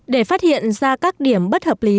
để phát hiện ra các điểm bất hợp lý